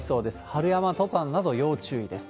春山登山など要注意です。